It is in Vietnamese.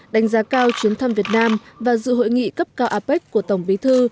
đánh giá cao chuyến thăm việt nam và dự hội nghị cấp cao apec của tổng bí thư